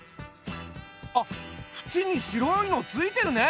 あっふちに白いの付いてるね。